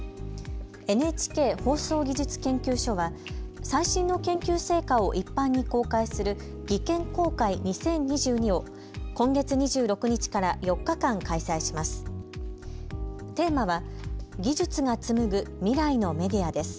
ＮＨＫ放送技術研究所は最新の研究成果を一般に公開する技研公開２０２２を今月２６日から４日間開催します。